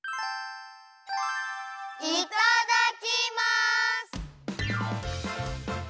いただきます！